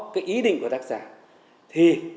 cái ý định của tác giả thì